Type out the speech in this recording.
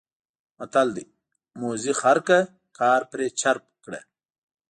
متل دی: موزي خر کړه کار پرې چرب کړه.